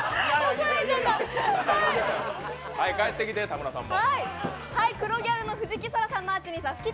帰ってきて、田村さんも。